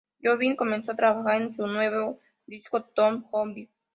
Jobim comenzó a trabajar en su nuevo disco "Tom Jobim".